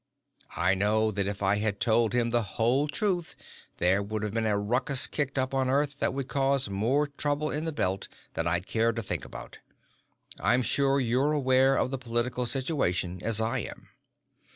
I know that if I had told him the whole truth there would be a ruckus kicked up on Earth that would cause more trouble in the Belt than I'd care to think about. I'm sure you're as aware of the political situation as I am.